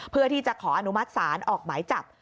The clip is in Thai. เพื่อที่จะขออนุมัติศาลออกหมายจับ